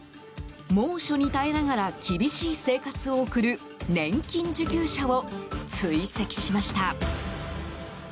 猛暑に耐えながら厳しい生活を送る年金受給者を追跡しました。